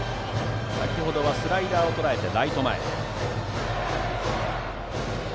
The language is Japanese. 先程はスライダーをとらえてライト前。